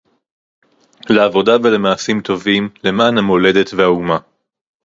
לעבודה ולמעשים טובים למען המולדת והאומה